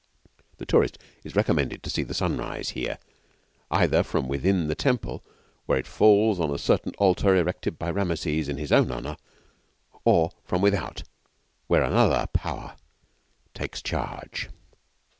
The tourist is recommended to see the sunrise here, either from within the temple where it falls on a certain altar erected by Rameses in his own honour, or from without where another Power takes charge.